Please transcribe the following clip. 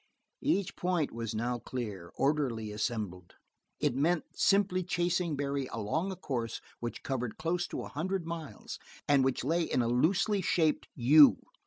Each point was now clear, orderly assembled. It meant simply chasing Barry along a course which covered close to a hundred miles and which lay in a loosely shaped U.